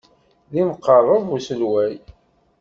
D imqerreb uselway.